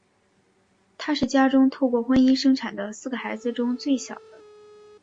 他是家中透过婚姻生产的四个孩子中最小的。